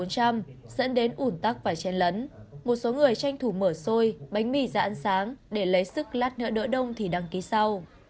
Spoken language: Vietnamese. dẫn đến ủn tắc phải chen lấn một số người tranh thủ mở xôi bánh mì ra ăn sáng để lấy sức lát đỡ đông thì đăng ký sau